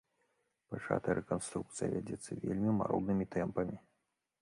Пачатая рэканструкцыя вядзецца вельмі маруднымі тэмпамі.